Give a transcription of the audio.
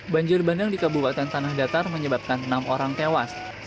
banjir bandang di kabupaten tanah datar menyebabkan enam orang tewas